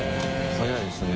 早いですね。